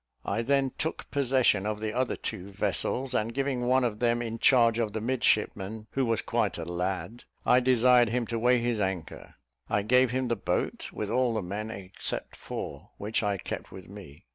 I then took possession of the other two vessels, and giving one of them in charge of the midshipman, who was quite a lad, I desired him to weigh his anchor. I gave him the boat, with all the men except four, which I kept with me.